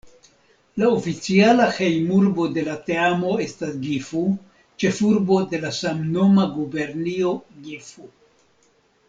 La oficiala hejmurbo de la teamo estas Gifu, ĉefurbo de la samnoma gubernio Gifu.